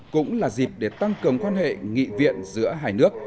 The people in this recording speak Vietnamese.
cũng là dịp để tăng cường quan hệ nghị viện giữa hai nước